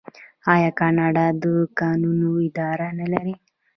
آیا کاناډا د کانونو اداره نلري؟